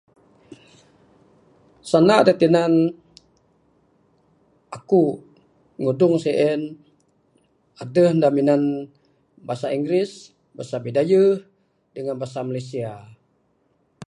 Sanda dak tinan aku ngudung sien, adeh ne minan bahasa Inggeris, bahasa Bidayuh dangan bahasa Malaysia